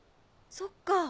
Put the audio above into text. そっか。